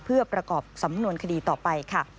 เพื่อประกอบสำนวนคดีต่อไปค่ะ